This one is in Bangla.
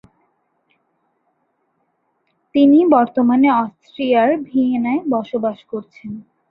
তিনি বর্তমানে অস্ট্রিয়ার ভিয়েনায় বসবাস করছেন।